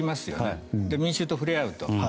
そして民衆と触れ合うと。